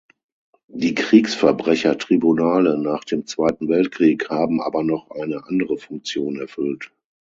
Die Kriegsverbrechertribunale nach dem Zweiten Weltkrieg haben aber noch eine andere Funktion erfüllt.